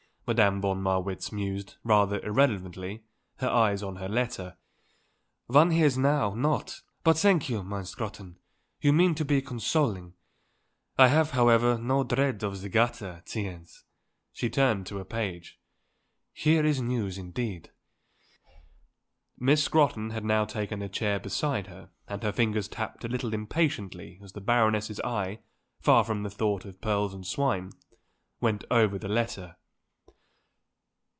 Madame von Marwitz mused, rather irrelevantly, her eyes on her letter. "One hears now, not. But thank you, my Scrotton, you mean to be consoling. I have, however, no dread of the gutter. Tiens," she turned a page, "here is news indeed." Miss Scrotton had now taken a chair beside her and her fingers tapped a little impatiently as the Baroness's eye far from the thought of pearls and swine went over the letter.